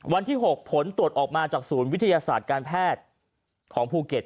วันที่๖ผลตรวจออกมาจากศูนย์วิทยาศาสตร์การแพทย์ของภูเก็ต